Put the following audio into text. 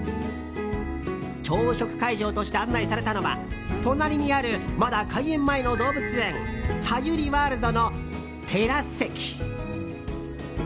朝食会場として案内されたのは隣にあるまだ開園前の動物園サユリワールドのテラス席。